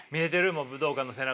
もう武道館の背中？